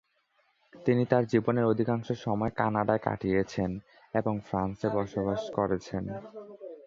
তিনি তার জীবনের অধিকাংশ সময় কানাডায় কাটিয়েছেন এবং ফ্রান্সে বসবাস করেছেন।